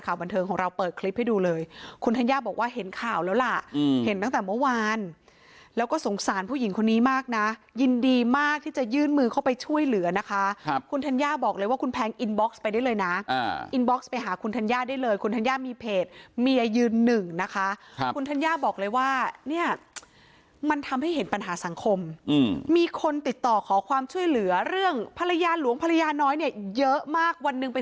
ข่าวบันเทิงของเราเปิดคลิปให้ดูเลยคุณธัญญาบอกว่าเห็นข่าวแล้วล่ะอืมเห็นตั้งแต่เมื่อวานแล้วก็สงสารผู้หญิงคนนี้มากน่ะยินดีมากที่จะยืนมือเข้าไปช่วยเหลือนะคะครับคุณธัญญาบอกเลยว่าคุณแพงก์อินบ็อกซ์ไปได้เลยน่ะอ่าอินบ็อกซ์ไปหาคุณธัญญาได้เลยคุณธัญญามีเพจเมียยืนหนึ่งนะคะครับคุณธั